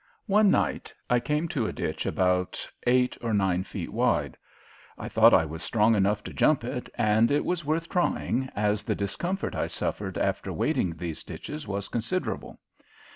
One night I came to a ditch about eight or nine feet wide. I thought I was strong enough to jump it, and it was worth trying, as the discomfort I suffered after wading these ditches was considerable.